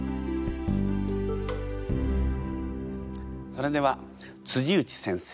それでは内先生